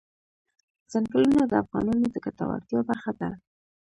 ځنګلونه د افغانانو د ګټورتیا برخه ده.